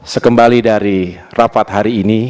sekembali dari rapat hari ini